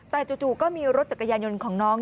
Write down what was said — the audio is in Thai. แต่จู่ก็มีรถจักรยานยนต์ของน้อง